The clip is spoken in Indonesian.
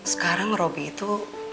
sekarang robby itu